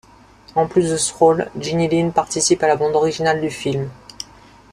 En plus de ce rôle, Ginie Line participe à la bande originale du film.